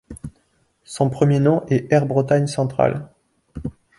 Son premier nom est Air Bretagne centrale.